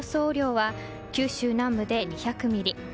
雨量は九州南部で２００ミリ